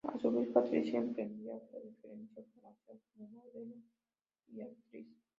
A su vez, Patricia emprendía otra diferente formación como modelo y actriz.